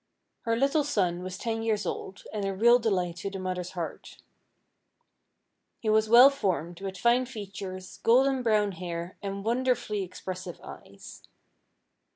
The little son was ten years old, and a real delight to the mother's heart. He was well formed, with fine features, golden brown hair, and wonderfully expressive eyes.